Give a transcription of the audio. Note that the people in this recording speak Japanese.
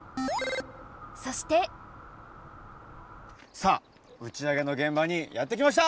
さあ打ち上げの現場にやって来ました！